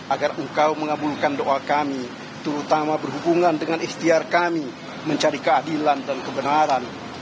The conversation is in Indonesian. agar engkau mengabulkan doa kami terutama berhubungan dengan ikhtiar kami mencari keadilan dan kebenaran